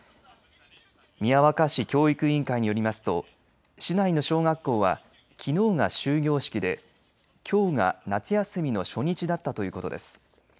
宮若市教育委員会によりますと市内の小学校はきのうが終業式できょうが夏休みの初日だったということです。